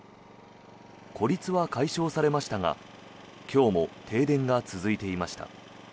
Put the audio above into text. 孤立は解消されましたが今日も停電が続いていました。